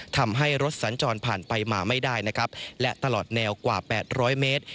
ทำให้รถสัญจรผ่านไปมาไม่ได้นะครับและตลอดแนวกว่า๘๐๐เมตร